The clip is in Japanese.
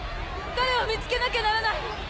彼を見つけなきゃならないの。